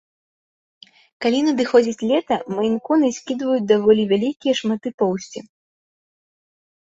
Калі надыходзіць лета, мэйн-куны скідваюць даволі вялікія шматы поўсці.